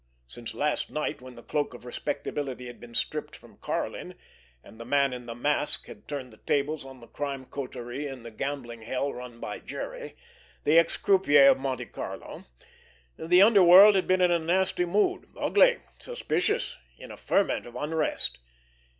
Since last night when the cloak of respectability had been stripped from Karlin, and the "man in the mask" had turned the tables on the crime coterie in the gambling hell run by Jerry, the ex croupier of Monte Carlo, the underworld had been in a nasty mood, ugly, suspicious, in a ferment of unrest.